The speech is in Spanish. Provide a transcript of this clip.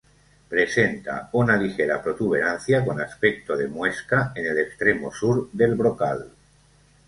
Presenta una ligera protuberancia con aspecto de muesca en el extremo sur del brocal.